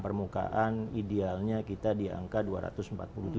permukaan idealnya kita diangkat